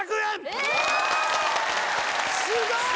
すごい！